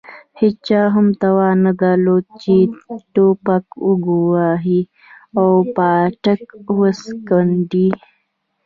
هېچا هم توان نه درلود چې توپک وګواښي او پاټک وسکونډي.